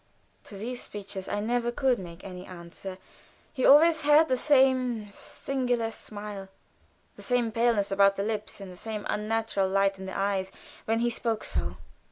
To these speeches I could never make any answer, and he always had the same singular smile the same paleness about the lips and unnatural light in the eyes when he spoke so.